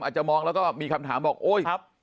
อาจจะมองแล้วก็มีคำถามบอกโอ๊ย